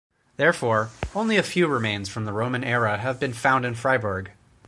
Therefore, only a few remains from the Roman era have been found in Fribourg.